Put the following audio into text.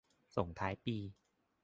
ส่งท้ายปี